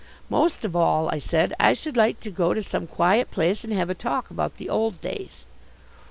"Most of all," I said, "I should like to go to some quiet place and have a talk about the old days."